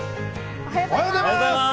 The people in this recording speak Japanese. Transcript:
おはようございます。